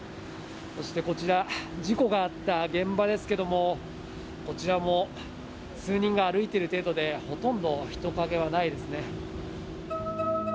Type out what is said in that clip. そしてこちら、事故があった現場ですけども、こちらも数人が歩いている程度で、ほとんど人影はないですね。